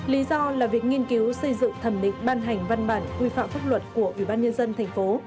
lý do là việc nghiên cứu xây dựng thẩm định ban hành văn bản quy phạm pháp luật của ủy ban nhân dân tp hcm